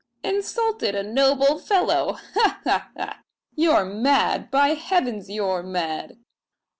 "Insulted a noble fellow! Ha ha ha! You're mad by heavens, you're mad!"